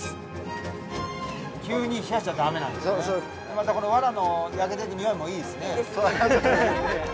またこのワラの焼けていく匂いもいいですね。